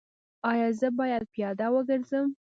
ایا زه باید پیاده وګرځم؟